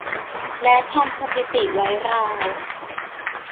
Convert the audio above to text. และทำสถิติไว้ราว